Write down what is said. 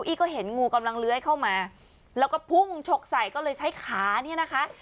ก็เห็นงูกำลังเลื้อยเข้ามาแล้วก็พุ่งชกใส่ก็เลยใช้ขาเนี่ยนะคะ